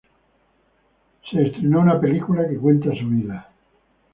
Se estrenó una película que cuenta su vida.